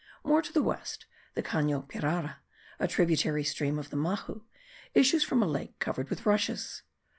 More to the west, the Cano Pirara, a tributary stream of the Mahu, issues from a lake covered with rushes.